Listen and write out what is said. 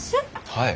はい。